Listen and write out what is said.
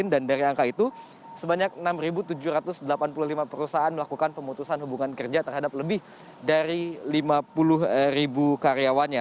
dari angka itu sebanyak enam tujuh ratus delapan puluh lima perusahaan melakukan pemutusan hubungan kerja terhadap lebih dari lima puluh karyawannya